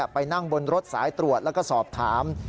ไปนั่งบนรถสายตรวจแล้วก็สอบถาม